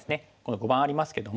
碁盤ありますけども。